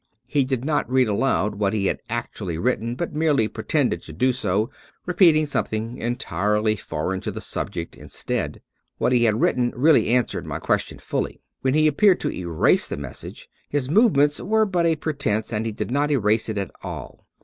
He did not read aloud what he had actually written, but merely pretended to do so, repeating some thing entirely foreign to the subject instead. What he had 246 David P. Abbott written really answered my question fully. When he ap peared to erase the message, his movements were but a pretense ; and he did not erase it at all.